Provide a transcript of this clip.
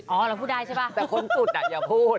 เราพูดได้ใช่ป่ะแต่คนสุดอ่ะอย่าพูด